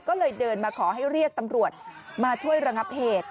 ก็เลยเดินมาขอให้เรียกตำรวจมาช่วยระงับเหตุ